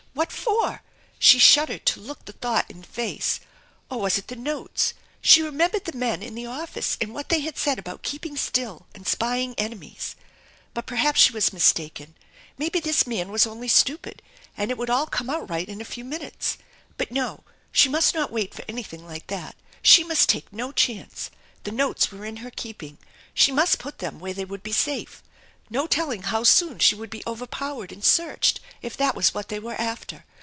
What for? She shuddered to look the thought in the face. Or was it the notes ? She remembered the men in the office and what they had said about keeping still and " spying enemies." But nerhaps she was mistaken. Maybe this man was only stupia, and it would all come out right in a few minutes. But no, she must not wait for anything like that. She must take no chance. The notes were in her keeping. She must put them where they would be safe. No telling how soon she would be overpowered and searched if that was what they were after.